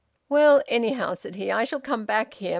"Well, anyhow," said he, "I shall come back here.